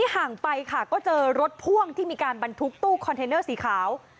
ห่างไปค่ะก็เจอรถพ่วงที่มีการบรรทุกตู้คอนเทนเนอร์สีขาว